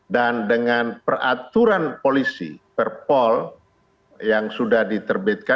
dan dengan peraturan polisi perpol yang sudah diterbitkan